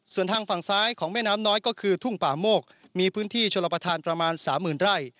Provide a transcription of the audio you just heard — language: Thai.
ส่วนทางฝั่งซ้ายของแม่น้ำน้อยก็คือทุ่งป่าโมกมีพื้นที่ชลประธานประมาณสามหมื่นไร่